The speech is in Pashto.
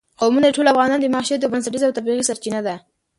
قومونه د ټولو افغانانو د معیشت یوه بنسټیزه او طبیعي سرچینه ده.